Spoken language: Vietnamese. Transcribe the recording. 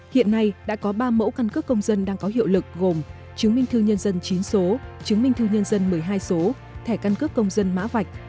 hiện nay đã có ba mẫu căn cước công dân đang có hiệu lực gồm chứng minh thư nhân dân chín số chứng minh thư nhân dân một mươi hai số thẻ căn cước công dân mã vạch